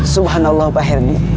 subhanallah pak herdi